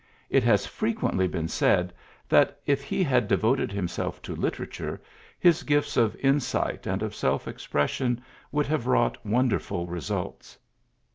It has frequently been said that, if he had devoted himself to literature, his gifts of insight and of self expression would have wrought wonderful results.